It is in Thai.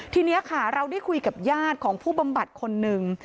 ทีนี้ค่ะเราได้คุยกับญาติของผู้บำบัดคนหนึ่ง